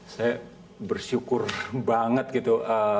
saya bersyukur banget gitu